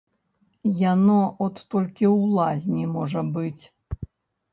Яно от толькі ў лазні можа быць.